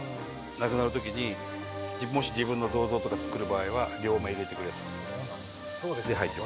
亡くなる時にもし自分の銅像とか作る場合は両目入れてくれっつって。